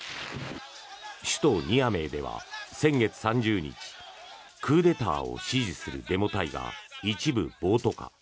首都ニアメーでは先月３０日クーデターを支持するデモ隊が一部、暴徒化。